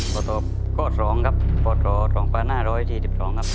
ปศ๒ครับปศ๒๕๔๒ครับ